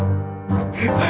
buat aku sayang